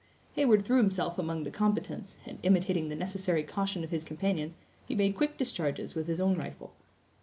Heyward threw himself among the combatants, and imitating the necessary caution of his companions, he made quick discharges with his own rifle.